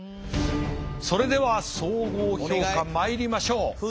それでは総合評価まいりましょう。